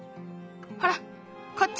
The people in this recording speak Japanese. ほらこっち！